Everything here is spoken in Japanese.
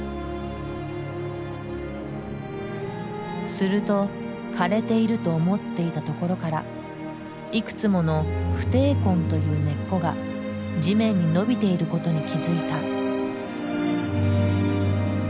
すると枯れていると思っていたところからいくつもの不定根という根っこが地面に伸びていることに気付いた。